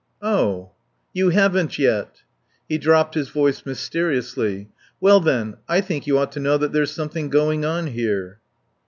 "Oh! You haven't yet!" He dropped his voice mysteriously. "Well, then I think you ought to know that there's something going on here."